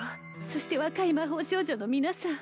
そして若い魔法少女の皆さん